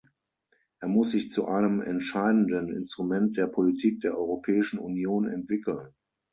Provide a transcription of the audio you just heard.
Er muss sich zu einem entscheidenden Instrument der Politik der Europäischen Union entwickeln.